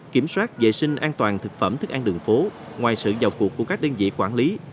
kiểm soát vệ sinh an toàn thực phẩm thức ăn đường phố ngoài sự vào cuộc của các đơn vị quản lý